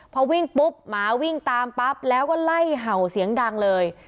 พอวิ่งปุ๊บหมาวิ่งตามปั๊บแล้วก็ไล่เห่าเสียงดังเลย